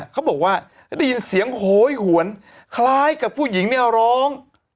เขาบอกว่าได้ยินเสียงโหยหวนคล้ายกับผู้หญิงเนี่ยร้อง